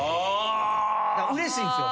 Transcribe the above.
うれしいんですよ